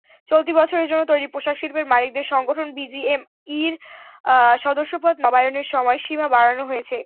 চলতি বছরের জন্য তৈরি পোশাকশিল্পের মালিকদের সংগঠন বিজিএমইএর সদস্যপদ নবায়নের সময়সীমা বাড়ানো হয়েছে।